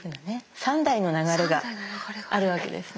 ３代の流れがあるわけですね。